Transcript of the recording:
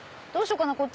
どうしようかな？